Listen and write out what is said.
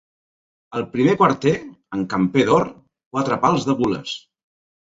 Al primer quarter, en camper d'or, quatre pals de gules.